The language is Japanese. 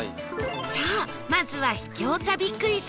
さあまずは秘境旅クイズ